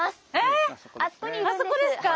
ええ⁉あそこですか？